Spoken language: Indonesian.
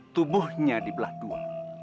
tubuhnya di belah dua